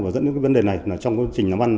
và dẫn đến vấn đề này trong quá trình làm ăn